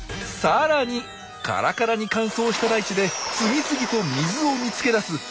さらにカラカラに乾燥した大地で次々と水を見つけ出す